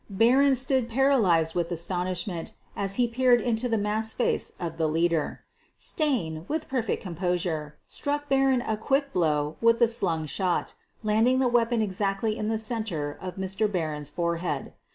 Barron stood paralyzed with astonish ment as he peered into the masked face of the leader. Stain, with perfect composure, struck Barron a quick blow with a slung shot, landing the weapon exactly in the center of Mr. Barron 's forehead.